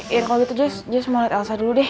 ya kalo gitu jess mau liat elsa dulu deh